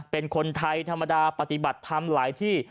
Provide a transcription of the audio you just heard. เป็นคนไทยธรรมดาปฏิบัติธรรมหลายที่